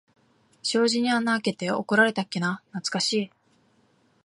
障子に穴あけて怒られたっけな、なつかしい。